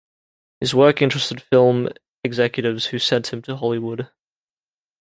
His work interested film executives who sent him to Hollywood.